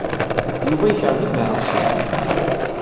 Yuba yekṛeh ibeɛɛucen.